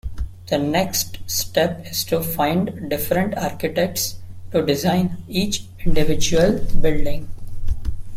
The next step is to find different architects to design each individual building.